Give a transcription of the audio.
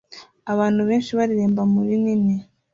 Abantu benshi bareremba muri nini